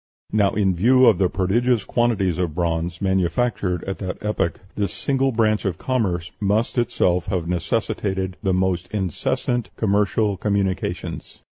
Now, in view of the prodigious quantity of bronze manufactured at that epoch, this single branch of commerce must itself have necessitated the most incessant commercial communications."